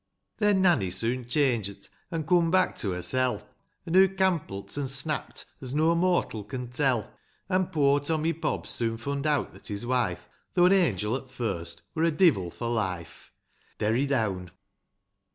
Then, Nanny soon cliange't, an' coom back to hersel' An' hoo cample't, an' snap't, as no mortal can tell ; An' poor Tommy Fobs soon fund out that his wife, Though an angel at first, wur a divole for life. Derry down.